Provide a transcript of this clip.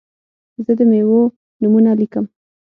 زه د میوو نومونه لیکم.